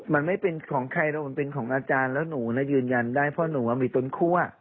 มันไม่เป็นของใครแล้วมันเป็นของอาจารย์แล้วหนูยืนยันได้เพราะหนูมีต้นคั่ว